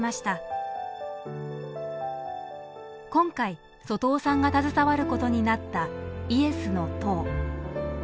今回外尾さんが携わることになったイエスの塔。